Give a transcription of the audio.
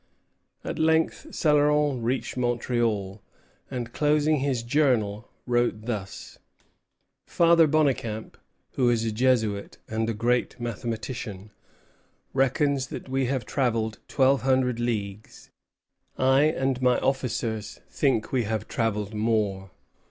At length Céloron reached Montreal; and, closing his Journal, wrote thus: "Father Bonnecamp, who is a Jesuit and a great mathematician, reckons that we have travelled twelve hundred leagues; I and my officers think we have travelled more.